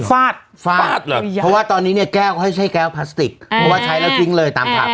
ฟาดฟาดฟาดเหรอเพราะว่าตอนนี้เนี่ยแก้วค่อยใช้แก้วพลาสติกเพราะว่าใช้แล้วทิ้งเลยตามผับ